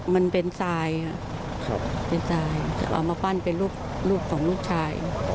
มันเป็นสายครับเอามาปั้นเป็นรูปของลูกชาย